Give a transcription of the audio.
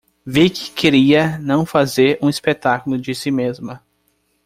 Vicky queria não fazer um espetáculo de si mesma.